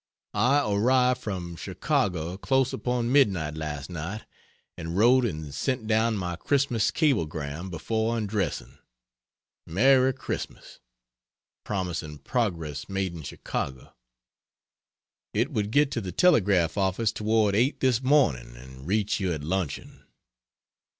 I arrived from Chicago close upon midnight last night, and wrote and sent down my Christmas cablegram before undressing: "Merry Xmas! Promising progress made in Chicago." It would get to the telegraph office toward 8 this morning and reach you at luncheon.